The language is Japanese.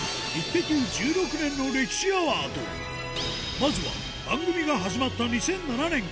まずは番組が始まった２００７年から